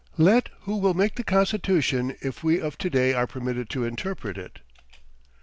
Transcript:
Let who will make the constitution if we of to day are permitted to interpret it.